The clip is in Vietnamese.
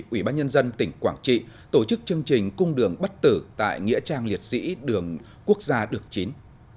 ủy ban nhân dân tỉnh quảng trị tổ chức chương trình cung đường bắt tử tại nghĩa trang liệt sĩ đường quốc gia được chín